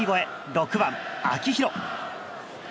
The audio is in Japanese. ６番、秋広。